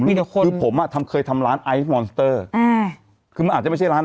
เลี้ยวคนคือผมอะเคยทำร้านไอฟมอนสเตอร์คือมันอาจจะไม่ใช่ร้าน